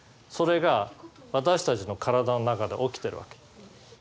それが私たちの体の中で起きてるわけ。